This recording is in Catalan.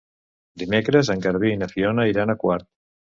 Dimecres en Garbí i na Fiona iran a Quart.